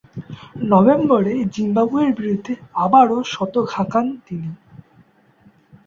নভেম্বরে জিম্বাবুয়ের বিরুদ্ধে আবারও শতক হাঁকান তিনি।